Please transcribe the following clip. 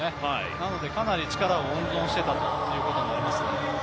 なのでかなり力を温存していたということになりますね。